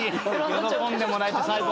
喜んでもらえて最高。